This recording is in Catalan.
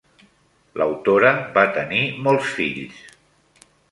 L'autora va tenir molts fills.